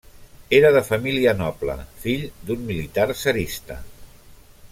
Era de família noble, fill d'un militar tsarista.